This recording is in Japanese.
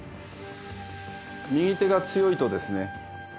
右手が強いとですね